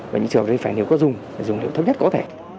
và những trường hợp đấy phải nếu có dùng phải dùng nếu thấp nhất có thể